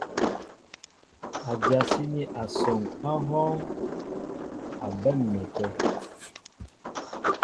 Ádyasíní asɔŋ á hɔ́ɔ́ŋ a bɛ́ á m̀mɛtə̂.